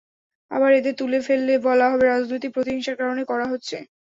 আবার এদের তুলে ফেললে বলা হবে, রাজনৈতিক প্রতিহিংসার কারণে করা হচ্ছে।